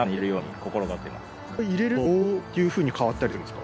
これ入れるとどういうふうに変わったりするんですか？